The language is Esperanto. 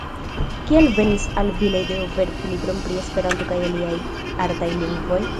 Kiel venis al vi la ideo verki libron pri Esperanto kaj aliaj artaj lingvoj?